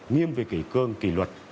nghiêm về kỳ cương kỳ luật